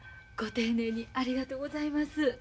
ご丁寧にありがとうございます。